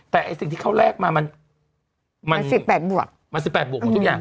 แต่สิ่งที่เขาแลกมามัน๑๘บวกมัน๑๘บวกของทุกอย่าง